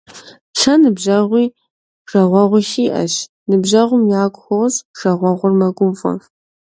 Сэ ныбжьэгъуи жагъуэгъуи сиӏэщ. Ныбжьэгъум ягу хощӏ, жагъуэгъур мэгуфӏэ.